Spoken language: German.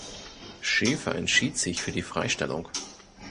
Schäfer entschied sich für die Freistellung.